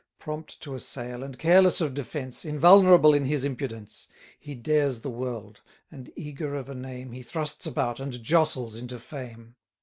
Prompt to assail, and careless of defence, Invulnerable in his impudence, He dares the world; and, eager of a name, He thrusts about, and jostles into fame.